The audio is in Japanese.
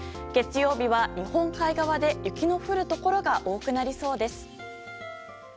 月曜日は、日本海側で雪の降るところが多くなりそうです。